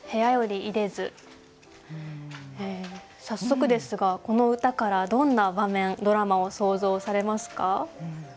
早速ですがこの歌からどんな場面ドラマを想像されますか？